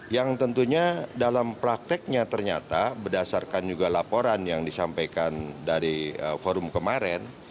yang tentunya dalam prakteknya ternyata berdasarkan juga laporan yang disampaikan dari forum kemarin